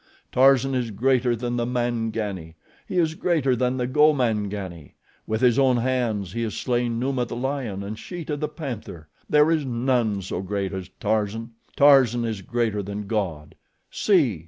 Tarzan is greater than the Mangani; he is greater than the Gomangani. With his own hands he has slain Numa, the lion, and Sheeta, the panther; there is none so great as Tarzan. Tarzan is greater than God. See!"